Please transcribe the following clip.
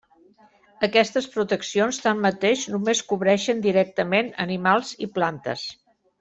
Aquestes proteccions tanmateix només cobreixen directament animals i plantes.